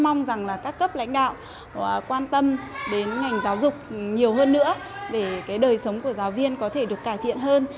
mong rằng là các cấp lãnh đạo quan tâm đến ngành giáo dục nhiều hơn nữa để cái đời sống của giáo viên có thể được cải thiện hơn